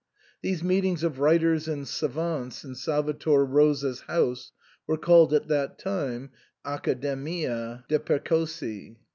These meetings of writers and savans in Salvator Rosa's house were called at that time the Accademia de* Percossi.